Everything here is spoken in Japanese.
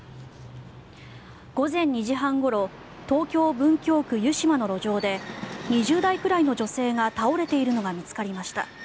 午前２時半ごろ東京・文京区湯島の路上で２０代くらいの女性が倒れているのが見つかりました。